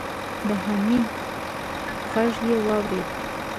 د حميد غږ يې واورېد.